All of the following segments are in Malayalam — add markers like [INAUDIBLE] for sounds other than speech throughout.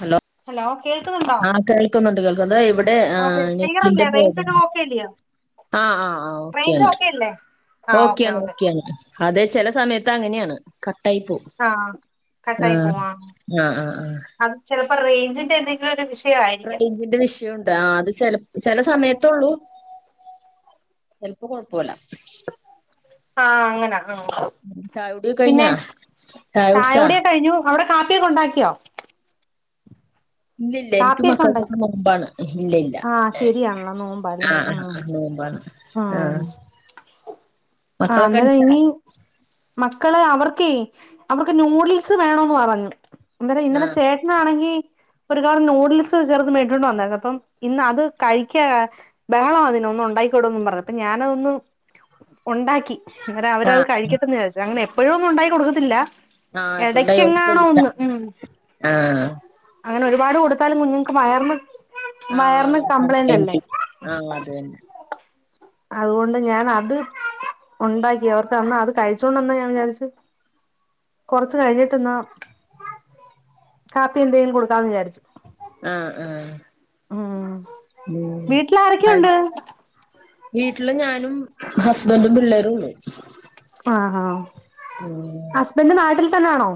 ഹലോ ഹലോ കേൾക്കുന്നുണ്ടോ ക്കുന്നുണ്ട് കേൾക്കുന്ന് ഇവിടെ ഓക്കെ ആഏ നെറ്റിന്റ ക്ലിയറല്ലേ റേഞ്ച് പ്രൊബ്ലം ഒക്കെ ഓക്കെ അല്ലയോ ആആ ആ റേഞ്ച് ഓക്കെയാണ് ഓക്കെ അല്ലേ ആ ഓക്കെ ഓക്കെയാണ് ഓക്കെ ഓക്കെയാണ് അതെ ചെല സമയത്ത് അങ്ങനെയാണ് കട്ടായി പോവും ആ കട്ടായി ആഹ് പോവാ ആഹ് ആഹ് ആഹ അത് ചിലപ്പോ റേഞ്ചി്ന്റെന്തെക്ക രു വിഷയ ആയി.. റെയിഞ്ചിന്റെ വിഷയാണ് ആ അത് ചല ചില സമയത്തള്ളൂ ചെിലപ്പോ കുഴപ്പല്ല. [UNINTELLIGIBLE] ആഹ് അങ്ങനാ ആ.. ചായ കുടി ഒക്കെ പിന്നെ കഴിഞ്ഞാ ചായ കുടിച്ചാ ചായോടിയ കഴിഞ്ഞു അവിടെ കാപ്പിയൊക്കെ ഉണ്ടാക്കിയോ? ഇല്ലില്ല എനിക്കും കാപ്പിയൊക്കെ ഉണ്ട മക്കൾക്കൊക്കെ നോമ്പാണ് ഇല്ല ഇല്ല ആഹ് ശരിയാണല്ലോ നോമ്പ അല്ലേ ആഹ് ആഹ് ആഹ് മക്കളൊക്കെ അന്നോലെ എണിച്ചാ ഇനി മക്കള് അവർക്കേ അവർക്ക് നൂഡിൽസ് വേണെന്ന് പറഞ്ഞു. എന്തര ഇന്നലെ ആഹ് ചേട്ടനാണെങ്കി ഒരു കർ നൂഡിൽസ് ചെറത് മേടിച്ചോണ്ട് വന്നാര്ന്നു അപ്പം ഇന്ന് അത് കഴിക്കാ ബഹളം അതിനൊന്ന് ഉണ്ടാക്കിോടുംന്ന് പറഞ്ഞപ്പ ഞാാനതൊന്ന് ഉണ്ടാക്കി. അരം അവരത് ആഹ് കഴിക്കട്ടെന്ന്ന്ന് വിചാച്ച അങ്ങനെ എപ്പോഴും ഒന്നും ഉണ്ടായി കൊടുക്കത്തില്ല. ആഹ് ഇപ്പഴും ഡൈവോഴ്സ് എടക്കങ്ങാണോ കൊള്ളൂല ഒന്ന് ഉം. ആഹ് അങ്ങനെ ഒരുപാട് കൊടുത്താലും കുഞ്ഞങ്ങക്ക് വയർന് മയറിന്ന് കംപ്ലൈന്റ് അല്ലേ? ആഹ് അത് തന്നെ അതുകൊണ്ട് ഞാൻ അത് ഉണ്ടാക്കി അവർക്ക്ന്ന് അത് കഴിച്ചോണ്ടന്നാ ഞാൻ വിചാരിച്ചു കൊറച്ച് കഴിഞ്ഞിട്ട്ന്നാ കാപ്പി എന്തെലും കൊടുക്കാന്ന് വിചാരിച്ചു. ആഹ് ആഹ് ഉം ഉം വീട്ടിലാരൊക്കെയുണ്ട് [UNINTELLIGIBLE] വീട്ടില് ഞാനും ഹസ്ബന്റും പിള്ളേരുള്ളു ആഹ് ആഹ് [UNINTELLIGIBLE] ഹസ്ബൻഡ് നാട്ടിൽ തന്നണോ?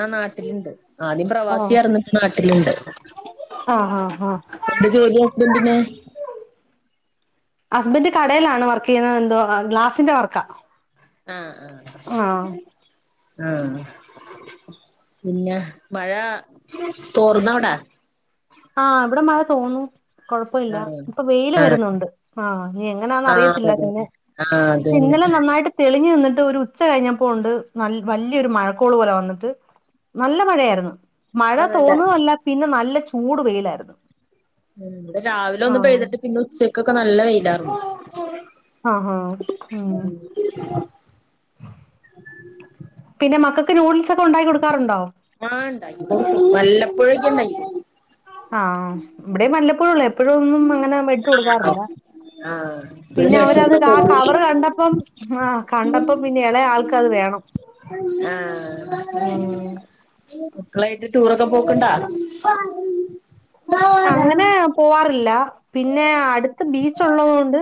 ആഹ് നാട്ടില്ണ്ട് ആദ്യം പ്രവാസിയർന്നു പ്പ നാട്ടില്ണ്ട്. അ ആഹ് ആഹ് എന്ത ജോലി ഹസ്ബന്റിെന്? ഹസ്ബൻഡ് കടയിലാണ് വർക്കെയ്യ്ന്നെ എന്തോ ഗ്ലാസിന്റെ വർക്ക. ആഹ് ആഹ് ആഹ് പിന്നെ മഴ തോർന്നവിടെ? ആഹ് വിടെ മഴ തോന്നു കൊഴപ്പല്ല അവിടെ ഇപ്പ വെയില് ആഹ് വരുന്നുണ്ട് ആഹ് നീ എങ്ങനാന്ന ആഹ് ആഹ് അറിയത്തില്ല അതെ പിന്നെ ആഹ് പക്ഷെ അതന്നെ. ഇന്നലെ നന്നായിട്ട് തെളിഞ്ഞു നിന്നിട്ട് ഒരു ഉച്ച കഴിഞ്ഞപ്പോ ഉണ്ട് വ വലിയൊരു മഴക്കോള് പോലെ വന്നിട്ട് നല്ല മഴയായിരുന്നു മഴ അതല്ല തോന്നതല്ല പിന്നെ നല്ല ചൂട് വെയിലായിരുന്നു. വിടെ രാവിലെ ഒന്ന് ആഹ് പെയ്തിട്ട് പിന്നെ ഉച്ചക്കൊക്കെ നല്ല വെയിലാർന്നു. ആഹ് ഹ ഉം പിന്നെ മക്കൾക്ക് നൂഡിൽസൊക്കെ ഉണ്ടാക്കി കൊടുക്കാറുണ്ടോ? ആഹ് ഇണ്ടാക്കി കൊടുക്കും വല്ലപ്പോഴേക്ക ഇണ്ടാക്കി കൊ ആഹ് ഇവിടെ വല്ലപ്പൊഴള്ളൂ എപ്പോഴൊന്നും അങ്ങനെ മേടിച്ചു കൊടുക്കാറില്ല. ആ പിന്നെ അവരത് കാ കവറ് കണ്ടപ്പം ആഹ് കണ്ടപ്പ പിന്നെ ഇളയ ആൾക്കത് വേണം. [UNINTELLIGIBLE] ഉം മക്കളായിട്ട് ടൂറൊക്കെ പോക്ക്ണ്ടാ? അങ്ങനെ പോവാറില്ല പിന്നെ അട്ത്ത് ബീച്ച് ഉള്ളത് കൊണ്ട്,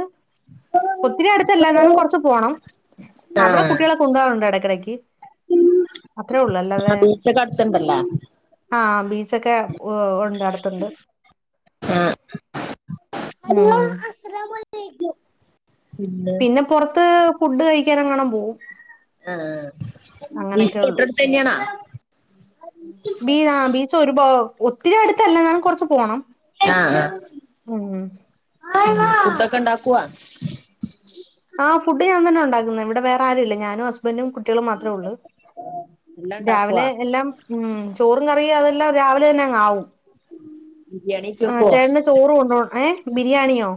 ഒത്തിരി അടുത്തല്ല എന്നാലും കൊറച്ച് പോണം. അവ്ടെ ആഹ് കുട്ടികളെ കൊണ്ട വറുണ്ട് എടക്കെടക്ക് അത്രേ ഒള്ളൽ ആഹ് ബീച്ചക്കൊ അടുത്ത്ണ്ടല്ലാ ആഹ് ബീച്ചൊക്കെ ഉ ഉണ്ട് അട് ത്തുണ്ട് ആഹ് ഉം [UNINTELLIGIBLE] പിന്നെ പൊറത്ത് ഫുഡ് കഴിക്കാനെങ്ങാണം പോവും ആഹ് ബീച്ച് അങ്ങനൊക്കെള്ളൂ തൊട്ടടുത്ത് തന്നെയാണാ ബീനാ ബീ [UNINTELLIGIBLE] ഒത്തിരി അടുത്തല്ല ന്നാലും കൊറച്ച് പോണം ആഹ് ഉം ആഹ് ഫുഡൊക്കെ ഇണ്ടാക്കോ ആ ഫുഡ് ഞാൻ തന്നെ ഉണ്ടാക്കുന്നെ ഇവിടെ വേറെ ആരുംല്ല ഞാനും ഹസ് ബന്റും കുട്ടികളും മാത്രേ ഉള്ളൂ എല്ലാം ഉണ്ടാക്കുവാ രാവിലെ എല്ലാം ഉം ചോറും കറിയും അതെല്ലാം രാവിലെ തന്നെ അങ്ങാവും ബിരിയാണിയൊക്കെ ആഹ് വെക്കുവോ ചേട്ടന് ചോറ് കൊണ്ടോണം ഏഹ് ബിരിയാണിയോ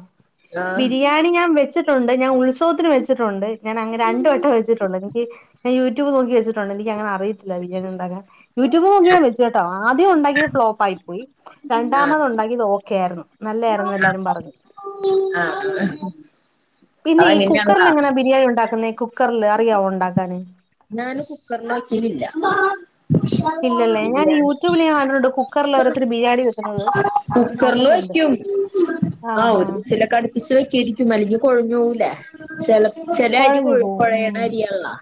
ആഹ് ബിരിയാണി ഞാം വെച്ചിട്ട് ഞാ ഉത്സവത്തിന് വെച്ചിട്ടുണ്ട് ഞാൻ അങ്ങെനെ രണ്ട് വട്ടം വച്ചിട്ടുണ്ട് എനിക്ക് ഞാ യൂ ട്യൂ യൂ ട്യൂബ് നോക്കി വെച്ചിട്ടുണ്ട് എ നിക്കങ്ങനെ അറിയില്ല ബിരിയാണി ഉണ്ടാക്കാൻ. യൂ ട്യൂബ് നോക്കി ഞാൻ വെച്ചി കേട്ടോ ആദ്യം ഉണ്ടാക്കിയത് ഫ്ലോപ്പ് ആയി പോയി. ആഹ് രണ്ടാമതുണ്ടാക്കിയത് ഓക്കെയാർന്നു നല്ലയാരുന്നു എല്ലാരും പറഞ്ഞു ആഹ് പിന്നെ ഈ കുക്കർല് എങ്ങനാ ബിരിയാണി ഉണ്ടാക്കുന്നെ കുക്കർല് അറിയാവോ ഉണ്ടാക്കാന് ഞാന് കുക്കർലോക്കീട്ടില്ല ഇല്ലല്ലേ ഞാൻ ബിരിയാണി യൂട്യൂബിൽ ഞാൻ കണ്ടിട്ടുണ്ട് കുക്കറിൽ ഓരോരുത്തര് ബിരിയാണി വെക്കുന്നത് കുക്കറർല് കണ്ടിട്ടുണ്ട് വെക്ക്യും ആഹ് ഒരു വിസിലൊക്കെ അടി ഇച്ച വക്കെ ഇരിക്കും അല്ലെങ്കി കൊഴഞ്ഞ് പോവൂലെ ചെല ചെല അരി കുഴ കൊഴയണ അരിയാൺള്ളോ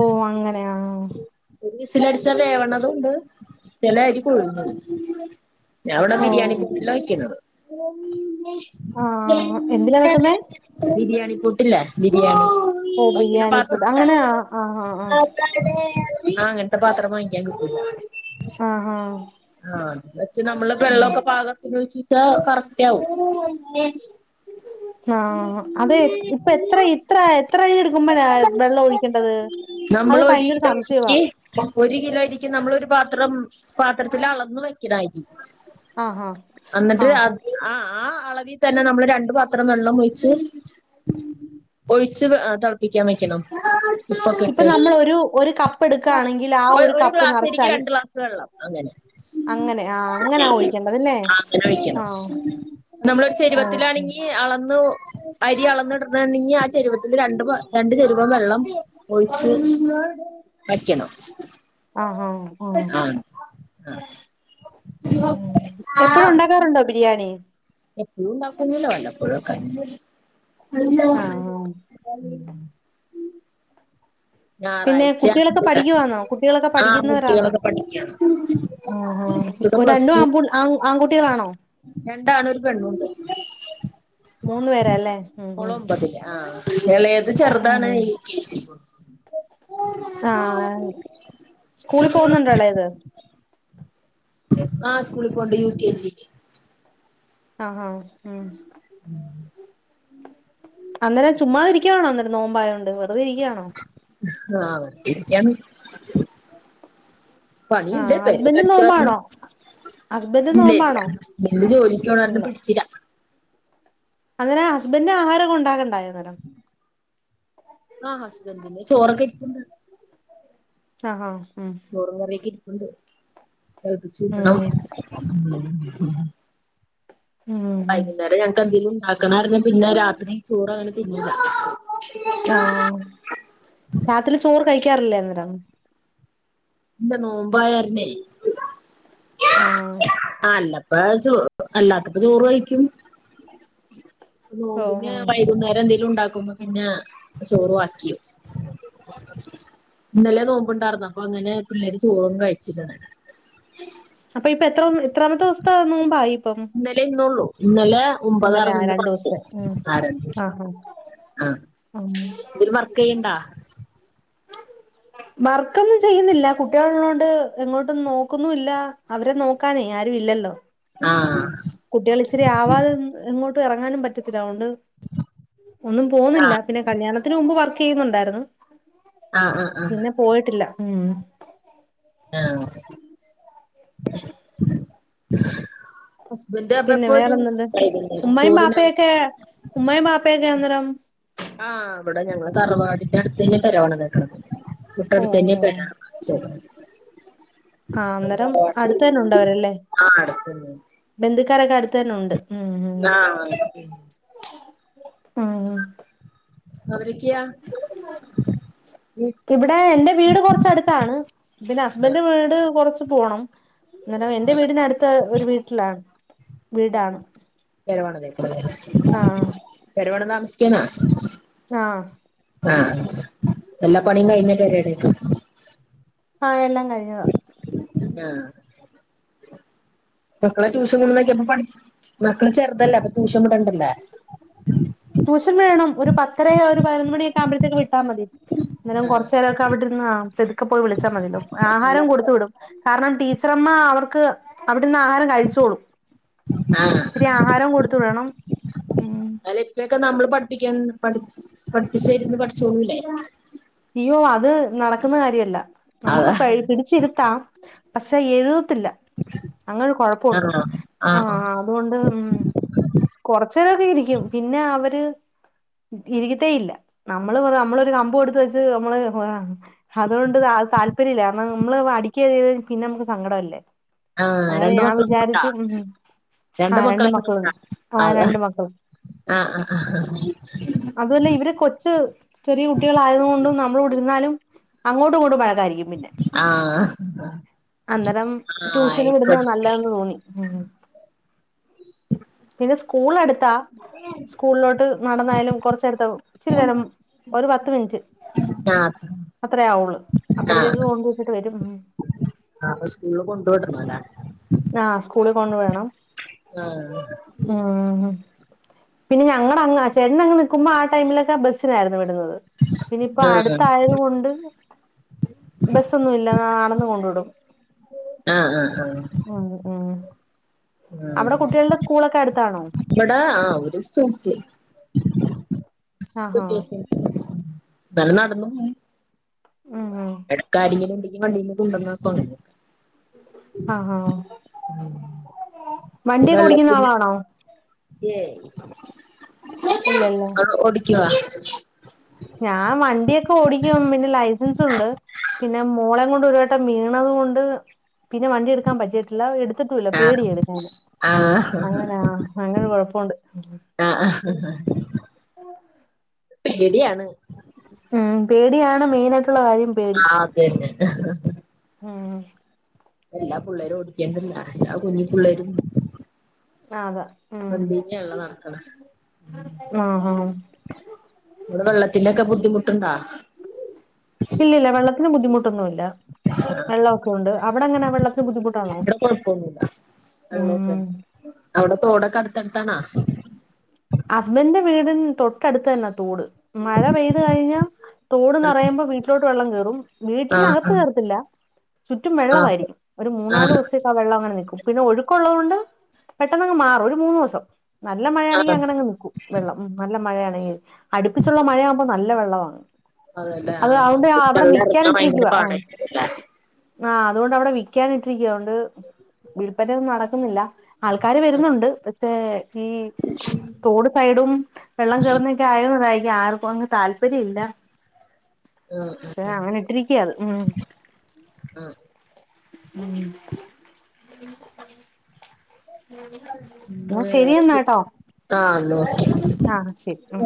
ഓഹ് അങ്ങനെ ആഹ് ഒരു വിസിലടിച്ചാ വേവണതൂണ്ട് ചെല അരി [UNINTELLIGIBLE] ഞാ ഇവ്ടെ ഓ ബിരിയാണി പോട്ട്ല വെക്കുന്നത് ആഹ് എന്തിലാ വെക്കുന്നേ ബിരിയാണി പോട്ടില്ലേ ബിരിയാണി ഓഹ് വെക്കണ ബിരിയാണി പോട്ട് അങ്ങനെ ആഹ് ആഹ് ആഹ് ആഹ് ആഹ് അങ്ങൻത്തെ പാത്രം വാങ്ങിക്കാൻ കിട്ടുയ് ആഹ് ആഹ് ആഹ് നമ്മള് ഉം വെള്ളൊക്കെ പാകത്തിന് ഒഴിച്ച് വെച്ച കറക്റ്റ് ആവും ആഹ് അത് ഇപ്പ എത്ര ഇത്ര എത്രയിര് എടുക്കുമ്പഴ വെള്ളം ഒഴിക്കണ്ടത് നമ്മളൊരീ [UNINTELLIGIBLE] ഒരു കിലോ അരിക്ക് നമ്മളൊരു പാത്രം പാത്രത്തിലളന്നു വെക്കണ [UNINTELLIGIBLE] ആഹ് ആഹ് അന്നട്ട് ആഹ് ആ അളവിതന്നെ നമ്മള് രണ്ട് പാത്രം വെള്ളം ഒഴിച്ച് ഒഴിച്ച് ഏഹ് തെളപ്പിക്കാൻ വെക്കണം ഉപ്പൊക്കെ ഇപ്പൊ നമ്മള് ഇട്ട് ഒരു ഒരു കപ്പ് എടുക്കാണെങ്കിൽ ആ ഒരു കപ്പ് നിറച്ചായി ഗ്ലാസ്‌ വെള്ളം അങ്ങനെ ആ അങ്ങനാ ആഹ് ഒഴിക്കേണ്ടതല്ലേ അങ്ങനെ ആ വെക്കണം നമ്മള് ഒരു ഓ ശരി ചെരുവത്തിലാണെങ്കി അളന്നു അരി അളന്നിട [UNINTELLIGIBLE] ആ ചെരുവത്തില് രണ്ട് രണ്ട് ചെരുവം വെള്ളം ഒഴിച്ച് വെക്കണം ആഹോ ആഹ് [INAUDIBLE] ഉം എപ്പഴും ഉണ്ടാക്കാറുണ്ടോ ബിരിയാണി എപ്പഴും ഉണ്ടാക്കൊന്നില്ല വല്ലപ്പോഴൊക്കെ ആ ആ പിന്നെ ഞാറാഴ്ച കുട്ടികളൊക്കെ [UNINTELLIGIBLE] പഠിക്കുവാന്നോ കുട്ടികളൊക്കെ ആഹ് പഠിക്കുന്നവരാണോ കുട്ടികളൊക്കെ പഠിക്ക ആ ആ മൂത്തത് ഒരു പ്ലസ് രണ്ടും ടു ആൺപു ആൺകുട്ടികളാണോ രണ്ടാണ് ഒരു പെണ്ണുണ്ട്. മൂന്നു പേരല്ലേ ഉം മോള് ഉം ഒമ്പത് ലാ ആഹ് എളേത് ചെറ്താണ് ഉം ആഹ് സ്കൂളിൽ പോകുന്നുണ്ടോ എളേത്? ആഹ് സ്കൂളിൽ പോവ്ണ്ട് യു കെ ജി ആഹ് ആഹ് ഉം അന്നേരം ചുമ്മാതിരിക്കയാണോ അന്നേരം നോമ്പായോണ്ട് വെർതെ ഇരിക്കയാണോ ആഹ് ഇരിക്കാണ് ആ പണിണ്ട് ഹസ്ബൻഡും പെരേക്കട്ച്ച് വാര്ണം. നോമ്പാണോ ഹസ്ബൻഡും ഇല്ലേല്ല നോമ്പാണോ ഹസ്ബന്റ് ജോലിക്കോണാര്ന്നം പിട്ച്ചില. അങ്ങനെ ഹസ്ബൻ്റ് ആഹാരൊക്കെ ഉണ്ടാക്കണ്ടാ [UNINTELLIGIBLE] ആഹ് ഹസ്ബൻ്റിന് ചോറൊക്കെ ഇര്പ്പുണ്ട്. ആഹ് ഉം ചോറും കറിയൊക്കെ ഇരിപ്പ്ണ്ട് തെളപ്പിച്ച് ഊറ്റണം. ഉം ഉം വൈകുന്നേരം ഞങ്ങക്ക് എന്തേങ്കിലും ഉണ്ടാക്കണാരുന്ന പിന്നെ രാത്രി ചോറ് അങ്ങനെ തിന്നില്ല ആഹ് രാത്രി ചോറ് കഴിക്കാറില്ലേ അന്നേരം ല്ല നോമ്പായാര്ന്നെ ആഹ് അല്ലപ്പ ചോ അല്ലാത്തപ്പ ചോറ് കയിക്കും ഓ നോമ്പിന് ഉം വൈകുന്നേരം എന്തെങ്കിലും ഉണ്ടാക്കുമ്പം പിന്നെ ചോറ് വാക്കിയാ ഇന്നലെ നോമ്പ്ണ്ടാർന്നു അപ്പൊ അങ്ങനെ പിള്ളേര് ചോറും കഴിച്ചില്ല ന്നലെ അപ്പൊ ഇപ്പൊ എത്ര എത്രാമത്തോ സ്ത്തെ നോമ്പായി? ഇപ്പം ഇന്നലെ ഇന്നൊള്ളൂ ഇന്നലെ ഇന്നലെ ആ ഒമ്പതാർന്ന് ഇന്ന് രണ്ടു പത്ത്. ദിവസത്തെ ഉം ആഹ് രണ്ടൂസം ആഹ് ആഹ് ആഹ് ഇതില് വർ യ്യ്ണ്ടാ വർക്കൊന്നും ചെയ്യുന്നില്ല കുട്ടിയള്ള്ളോണ്ട് എങ്ങോട്ടൊന്നും നോക്കുന്നുല്ല അവരെ നോക്കാനേ ആരും ഇല്ലല്ലോ ആഹ് കുട്ട്യാള് ഇച്ചിരി ആവാതെ എങ്ങോട്ട് എറങ്ങാനും പറ്റത്തില്ല അതോണ്ട് ഒന്നും പോവ്ന്നില്ല ആഹ് പിന്നെ കല്യാണത്തിന് മുമ്പ് വർ ക്കെയ്യുന്നുണ്ടായിരുന്നു. ആഹ് ആഹ് ആഹ് പിന്നെ പോയിട്ടില്ല ഉം ആഹ് ഹസ്ബൻ്റ് അപ്പൊ പിന്നെ എപ്പൊ വരും വേറെന്തുണ്ട് വൈകുന്നേര ഉമ്മയും ചോറിനാ ബാപ്പയൊക്കെ ഉമ്മയും ബാപ്പയൊക്കെ അന്നേരം ആഹ് ഇവടെ ഞങ്ങളെ തറവാടിന്റെ അട്ത്തന്നെ [UNINTELLIGIBLE] ഓ തൊട്ടട് ത്തന്നെ ഓ പെരാണ്. ആഹ് അന്നേരം ശരി അടുത്ത് തന്നെ ഉണ്ട് ആ അട്ത്തന്നെ ന്ത്ക്കാരൊക്കെ അട്ത്തന്നെ ഉണ്ട് ഉം ആഹ് ഉം അവരക്ക്യാ ഇവടെ എന്റെ വീട് കൊർച്ചടുത്താണ് പിന്നെ ഹസ്ബൻഡിന്റെ വീട് കൊറച്ച് പോണം ന്നേരം എൻ്റെ വീടിനടുത്ത ഒരു വീട്ട്ലാണ് വീടാണ് [UNINTELLIGIBLE] ആഹ് എടപാട്ന് താമസ്ക്കാണോ ആഹ് ആഹ് എല്ലാ പണിം കഴിഞ്ഞോ പെരേല് ആഹ് എല്ലാം കഴിഞ്ഞതാ ആഹ് മക്കളെ ട്യൂഷൻ കൊട്ന്നാക്കിയപ്പം പഠി മക്കള് ചേർത്തല്ലാ അപ്പൊ ട്യൂഷൻ വിടണ്ടല്ലോ ട്യൂഷൻ വേണം ഒരു പത്തര ഒരു പയ്നൊന്ന് മണിയക്ക ആവുമ്പോഴത്തേക്ക് വിട്ടാ മതി അന്നേരം കൊർച്ച് നേരക്കെ അവിടെര്ന്ന് പെതുക്കെ പോയി വിളിച്ചാ മതിയല്ലോ ആഹാരം അല്ലാതെ കൊടുത്തു വിടും. കാരണം ടീച്ചറമ്മ അവർക്ക് അവിടുന്ന് ആഹാര കഴിച്ചോളും ആഹ് ഇച്ച്രി ആഹാരം കൊടുത്ത് വിടണം ഉം ലൊക്കെ നമ്മള് പട്പ്പിക്കെ പഠിപ്പിച്ചര്ന്ന് പഠിച്ചോളൂല്ലേ അയ്യോ അത് നടക്കുന്ന കാര്യമല്ല നമുക്ക് അതാ പിടിച്ചിരുത്താം. പശേ എഴുതത്തില്ല അങ്ങനൊരു കൊഴപ്പമുണ്ട് ആഹ് ആ ആഹ് അതുകൊണ്ട് ഉം കൊർച്ച് നേരൊക്കെ ഇരിക്കും പിന്നെ അവര് ഇരിക്കത്തേയില്ല നമ്മള് നമ്മളൊരു കമ്പു എട്ത്തു വെച്ച് നമ്മള് അതുകൊണ്ട് താല്പര്യംല്ലകാരണം നമ്മള് അടിക്കുക പിന്നെ നമുക്ക് സങ്കടം അല്ലേ ആഹ് രണ്ട് മക്കളും ഉണ്ടാ രണ്ട് ആഹ് മക്കളെങ്ങ മക്കളുണ്ട് ആഹ് രണ്ട് മക്കൾ ആഹ് ആഹ് അതുപോലെ ഇവര് കൊച്ച് ചെറിയ കുട്ടികളയതുകൊണ്ടും നമ്മൾ കുടിരുന്നാലും അങ്ങോട്ട് ഇങ്ങോട്ടും വഴ പിന്നെ ആഹ് അന്നേരം ട്യൂഷന് ആഹ് വിടുന്ന നല്ലതന്ന് തോന്നി ഉം പിന്നെ സ്കൂൾ അടുത്താ സ്കൂളിലോട്ട് നടന്നായാലും കുറച്ച നേരത്തെ ഇച്ചിരി നേരം ഒരു പത്ത് മിനിറ്റ് ആഹ് അത്രേയാവുള്ളൂ അപ്പഴത്തേക്ക് കൊണ്ടപോച്ചിട്ട് വരും ആ അപ്പോ സ്കൂളില് കൊണ്ട് വിടണം ലെ ആഹ് സ്കൂളിൽ കൊണ്ട് പോയി വിടണം ആഹ് ഉം പിന്നെ ഞങ്ങള അങ് ചേട്ട അങ്ങ് നിക്കുമ്പോ ആ ടൈമിലൊക്കെ ബസ്സിനായിരുന്നു വിടുന്നത് പിന്നെ ഇപ്പ ആഹ് അടുത്തായത് കൊണ്ട് ബസ്സൊന്നു ഇല്ല നടന്ന കൊണ്ട വിടും ആഹ് ആഹ് ആഹ് ഉം ഉം ആഹ് അവിടെ കുട്ടികളുടെ സ്കൂളൊക്കെ അടുത്താണോ ഇവിടെ ആ ഒരു സ്തൂത്ത് ആഹാ നല്ല നടന്ന ഉം ഉം ഇടക്ക് ആരെങ്കിലും ഉണ്ടെങ്കി വണ്ടീമേ കൊണ്ടന്നാക്കും ആഹ് വണ്ടിയൊക്കെ ഓടിക്കുന്ന ആളാണോ ഏയ് ഇല്ല ല്ലേ ങ്ങൾ ഓടിക്കുവ ഞാൻ വണ്ടിയൊക്കെ ഓടിക്കും പിന്നെ ലൈസൻസ് ഉണ്ട് പിന്നെ മോള കൊണ്ട് ഒരുവട്ടം വീണത് കൊണ്ട് പിന്നെ വണ്ടി എടുക്കാൻ പറ്റിയിട്ടില്ല എടുത്തിട്ടുമില്ല പേടിയ എടുക്കാൻ ആഹ് അങ്ങനാ അങ്ങനെ കൊഴപ്പുണ്ട് ആഹ് പേടിയാണ് ഉം പേടിയാണ് മെയിന ആയിട്ടുള്ള കാര്യം പേടി ആ അതന്നെ ഉം എല്ലാ പിള്ളേരും ഓടിക്കണ്ടല്ല എല്ല കുഞ്ഞി പിള്ളേരും ആഹ് അതെ വണ്ടീമലാണ് നടക്കണ ആഹ് ആഹ് ഇങ്ങൾ വെള്ളത്തിന്റെക്കെ ബുദ്ധിമുട്ടുണ്ടോ ഇല്ല ഇല്ല വെള്ളത്തിന് ബുദ്ധിമുട്ടൊന്നു ഇല്ല വെള്ളമൊക്കെ ഉണ്ട് അവിടെ എങ്ങനെ വെള്ളത്തിന് ബുദ്ധിമുട്ടാണോ ഇവിടെ കൊഴപ്പൊന്നുല്ല ഉം അവിടെ തോടക്കെ അടുത്തടുത്താണാ ഹസ്ബൻന്റെ വീടിന് തൊട്ടടുത്ത് തന്നെ തോട് മഴ പെയ്തു കഴിഞ്ഞ വെള്ളം തോട്ന്ന്റയുമ്പോ കേറുന്നെ വീട്ടിലോട്ട് വെള്ളം കയറും ആ വീട്ടിനകത്ത് കയറത്തില്ല ചുറ്റും ആ വെള്ളമായിരിക്കും ഒരു ആ മൂന്നാല് ദിവസത്തേക്ക് ആ വെള്ളം അങ്ങനെ നിൽക്കും പിന്നെ ഒഴുക്കള്ളതു കൊണ്ട് പെട്ടെന്ന്ങ്ങ് മാറും ഒരു മൂന്ന് ദിവസം നല്ല ആ മഴയാണെങ്കി ആ അങ്ങനെ നിക്കും വെള്ളം നല്ല മഴയാണെങ്ക അടുപ്പിച്ചുള്ള മഴയാവുമ്പോ നല്ല വെള്ളമാണ് അതല്ലേ അത് ആഹ് അതൊണ്ട് അവിടെ വെള്ളം ഇറങ്ങാൻ ഭയങ്കര വിക്കാനിട്ടിരിക്കവാ ആഹ് പാടായിരിക്കും അല്ലേ അതുകൊണ്ട് അവിടെ വിക്കാനിട്ടിരിക്കുവ അതോണ്ട് വില്പനെയൊന്നും നടക്കുന്നില്ല ആൾക്കാര് വെരുന്നുണ്ട് പക്ഷെ ഈ തോഡ് സൈഡും വെള്ളം കറുന്നോക്കെ ആയോണ്ടായിരിക്കിം ആർക്കും അങ്ങ് താല്പര്യം ഇല്ല ആഹ് ആഹ് പക്ഷെ അങ്ങനെ ഇട്ടിരിക്കയാണ് ഉം ആഹ് ഉം പിന്നെ എന്നാ വേറെ ശരിയെന്നാട്ടോ ആഹ് ന്ന ഒക്കെ ആഹ് ശരി ഉം